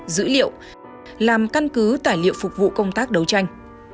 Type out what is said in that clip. dữ liệu làm căn cứ tài liệu phục vụ công tác đấu tranh